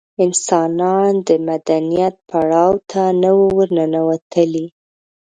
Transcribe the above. انسانان د مدنیت پړاو ته نه وو ورننوتلي.